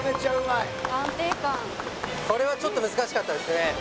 これはちょっと難しかったですね